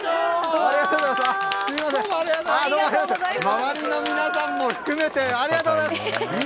周りの皆さんも含めてありがとうございます。